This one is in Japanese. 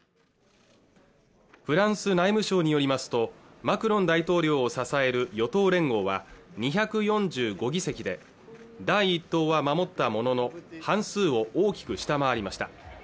フランス内務省によりますとマクロン大統領を支える与党連合は２４５議席で第１党は守ったものの半数を大きく下回りました